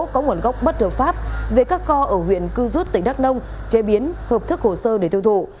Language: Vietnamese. có nguồn gốc bất hợp pháp về các kho ở huyện cư rút tỉnh đắk nông chế biến hợp thức hồ sơ để tiêu thụ